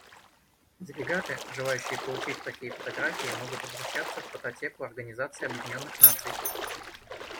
Делегаты, желающие получить такие фотографии, могут обращаться в Фототеку Организации Объединенных Наций.